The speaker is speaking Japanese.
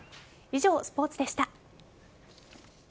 以上、スポーツでした。